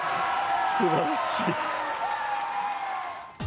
すばらしい。